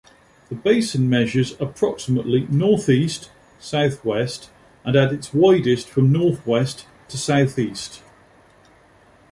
The basin measures approximately northeast-southwest and at its widest from northwest to southeast.